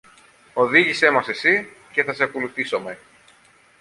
Οδήγησε μας εσύ και θα σε ακολουθήσομε!